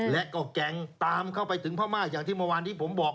และก็แก๊งตามเข้าไปถึงพม่าอย่างที่เมื่อวานที่ผมบอก